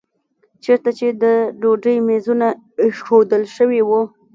چېرته چې د ډوډۍ میزونه ایښودل شوي وو.